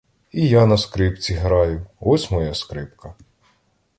І я на скрипці граю — ось моя скрипка!